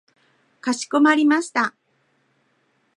かしこまりました。